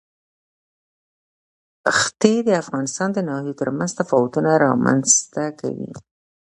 ښتې د افغانستان د ناحیو ترمنځ تفاوتونه رامنځ ته کوي.